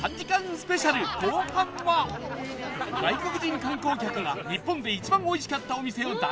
スペシャル後半は外国人観光客が日本で一番美味しかったお店を大調査